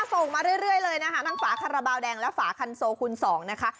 ส่งมาเรื่อยเลยนะคะทั้งฝาคาราบาลแดงและฝาคันโซคูณสองนะคะ